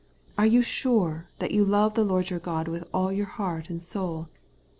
Are you sure that you love the Lord your God with all your heart and soul?